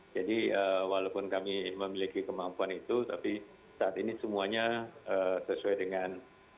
jadi walaupun kami memiliki kemampuan itu tapi saat ini semuanya sesuai dengan